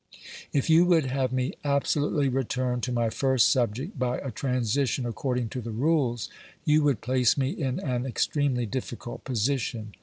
If you would have me absolutely return to my first subject by a transition according to the rules, you would place me in an extremely difficult position.